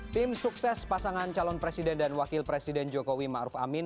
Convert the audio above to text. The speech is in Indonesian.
tim sukses pasangan calon presiden dan wakil presiden jokowi ma'ruf amin